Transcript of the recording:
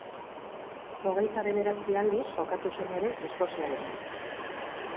Hogeita bederatzi aldiz jokatu zen ere Eskoziarekin.